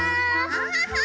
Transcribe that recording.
アハハ！